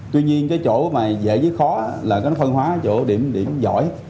tuy nhiên cái chỗ mà dễ với khó là cái nó phân hóa chỗ điểm giỏi